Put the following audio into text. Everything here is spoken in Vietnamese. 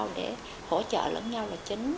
để hỗ trợ lẫn nhau là chính